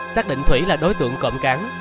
xác định thủy là đối tượng cộm cán